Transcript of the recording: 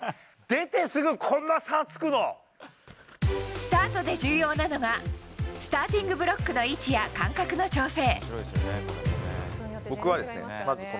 スタートで重要なのがスターティングブロックの位置や間隔の調整。